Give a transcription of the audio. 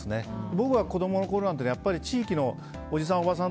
僕が子どものころなんて地域のおじさん、おばさん